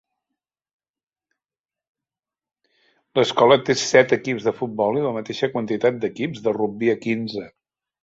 L'escola té set equips de futbol i la mateixa quantitat d'equips de rugbi a quinze.